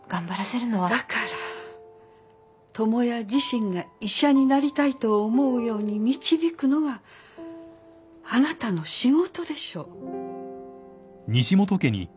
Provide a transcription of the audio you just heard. だから智也自身が医者になりたいと思うように導くのがあなたの仕事でしょ。